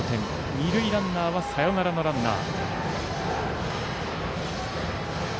二塁ランナーはサヨナラのランナー。